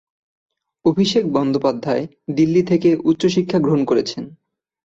অভিষেক বন্দ্যোপাধ্যায় দিল্লি থেকে উচ্চশিক্ষা গ্রহণ করেছেন।